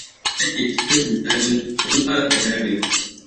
Sojojin da ke cikin rudani sun fara kai hari.